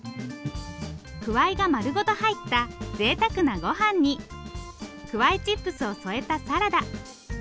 くわいが丸ごと入ったぜいたくなごはんにくわいチップスを添えたサラダ。